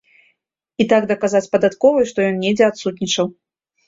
І так даказаць падатковай, што ён недзе адсутнічаў.